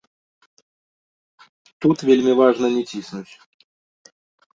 Тут вельмі важна не ціснуць.